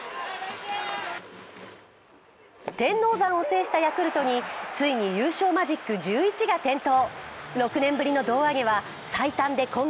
天王山を制したヤクルトに、ついに優勝マジック１１が点灯。